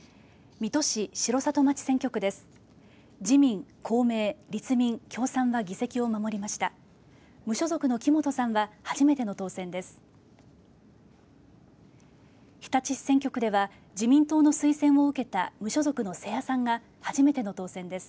水戸市・城里町選挙区です。